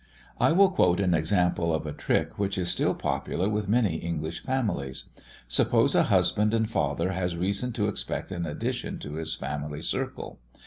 I will quote an example of a trick which is still popular with many English families. Suppose a husband and father has reason to expect an addition to his family circle.